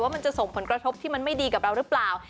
มันจะส่งผลกระทบที่มันไม่ดีกับเราหรือเปล่า